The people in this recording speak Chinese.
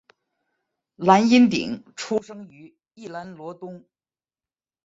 蓝荫鼎出生于宜兰罗东